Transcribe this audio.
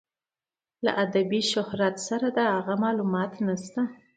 له ادبي شهرت سره د هغه معلومات نشته.